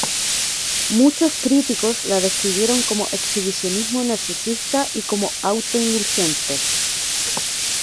Muchos críticos, la describieron como "exhibicionismo narcisista" y como auto-indulgente.